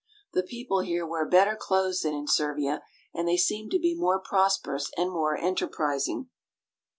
The people here wear better clothes than in Servia, and they seem to be more prosperous and more enterpris ing.